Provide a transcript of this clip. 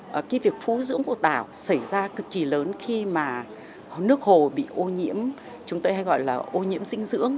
và cái việc phú dưỡng của tảo xảy ra cực kỳ lớn khi mà nước hồ bị ô nhiễm chúng tôi hay gọi là ô nhiễm dinh dưỡng